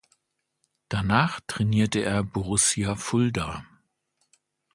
Danach trainierte er Borussia Fulda.